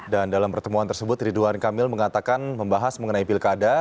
dan dalam pertemuan tersebut ridwan kamil mengatakan membahas mengenai pilkada